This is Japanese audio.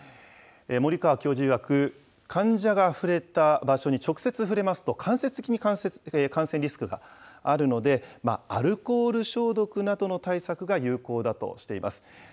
森川教授いわく、患者が触れた場所に直接触れますと、間接的に感染リスクがあるので、アルコール消毒などの対策が有効だとしています。